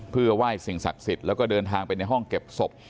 เพื่อไหว้สิ่งศักดิ์สิทธิ์แล้วก็เดินทางไปในห้องเก็บศพ